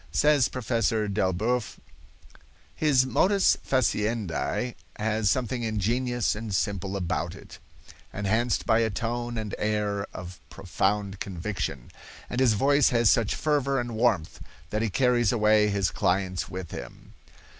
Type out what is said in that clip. Says Professor Delboeuf: "His modus faciendi has something ingenious and simple about it, enhanced by a tone and air of profound conviction; and his voice has such fervor and warmth that he carries away his clients with him.